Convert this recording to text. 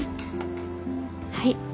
はい。